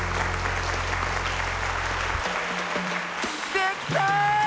できた！